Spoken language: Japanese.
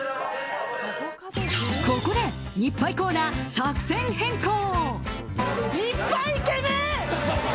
ここで日配コーナー、作戦変更。